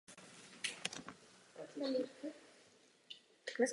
Pak odstaven z politických funkcí.